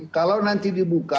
kalau nanti dibuka